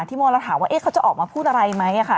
โมเราถามว่าเขาจะออกมาพูดอะไรไหมค่ะ